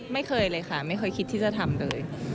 ไม่เคยเลยค่ะไม่เคยคิดที่จะทำเลย